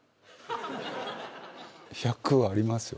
１００ありますよ。